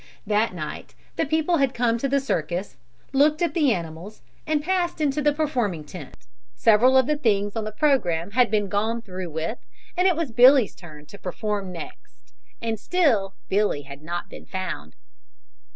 That night the people had come to the circus; looked at the animals and passed into the performing tent; several of the things on the programme had been gone through with and it was Billy's turn to perform next and still Billy had not been found.